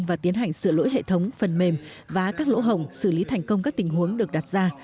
và tiến hành sửa lỗi hệ thống phần mềm và các lỗ hồng xử lý thành công các tình huống được đặt ra